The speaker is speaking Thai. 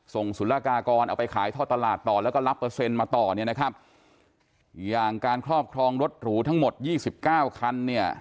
ศุลกากรเอาไปขายท่อตลาดต่อแล้วก็รับเปอร์เซ็นต์มาต่อเนี่ยนะครับอย่างการครอบครองรถหรูทั้งหมดยี่สิบเก้าคันเนี่ย